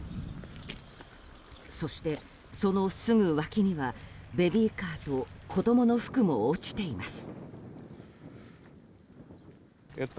そして、そのすぐ脇にはベビーカーと子供の服も落ちています。